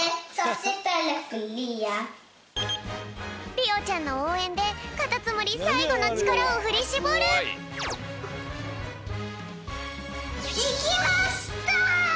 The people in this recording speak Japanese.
りおちゃんのおうえんでカタツムリさいごのちからをふりしぼる！いきました！